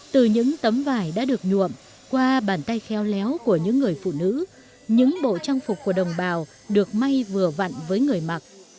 từ những tấm vải đã được nhuộm qua bàn tay khéo léo của những người phụ nữ những bộ trang phục của đồng bào được may vừa vặn với người mặc